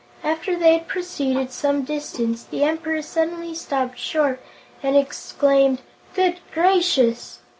After they had proceeded some distance, the Emperor suddenly stopped short and exclaimed: "Good gracious!"